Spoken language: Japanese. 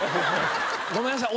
「ごめんなさい